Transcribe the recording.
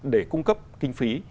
để cung cấp kinh phí